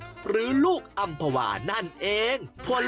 หรือลูกอำภาวานั่นเอง